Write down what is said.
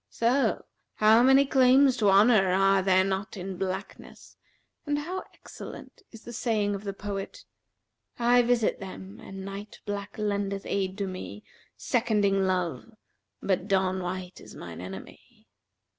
So, how many claims to honour are there not in blackness and how excellent is the saying of the poet, 'I visit them, and night black lendeth aid to me * Seconding love, but dawn white is mine enemy.'